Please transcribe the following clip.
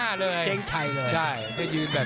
นักมวยจอมคำหวังเว่เลยนะครับ